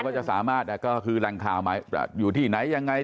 ก็จะสามารถแรงข่าวไหมอยู่ที่ไหนยังไง